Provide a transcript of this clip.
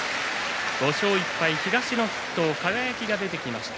５勝１敗東の筆頭輝が出てきました。